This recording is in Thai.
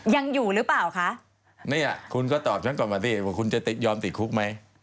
ยังอยู่หรือเปล่าคะเนี่ยคุณก็ตอบฉันก่อนมาสิว่าคุณจะยอมติดคุกไหม